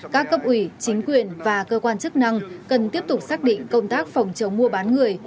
các cấp ủy chính quyền và cơ quan chức năng cần tiếp tục xác định công tác phòng chống mua bán người